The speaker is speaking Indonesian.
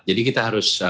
jadi kita harus